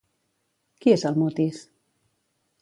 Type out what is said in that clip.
Qui és el Mutis?